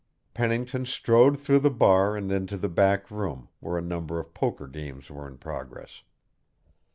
Pennington strode through the bar and into the back room, where a number of poker games were in progress.